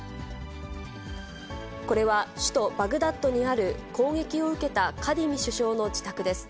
これは首都バグダッドにある攻撃を受けたカディミ首相の自宅です。